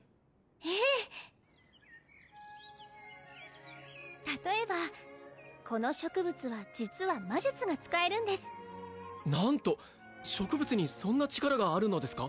ええ例えばこの植物は実は魔術が使えるんです何と植物にそんな力があるのですか？